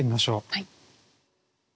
はい。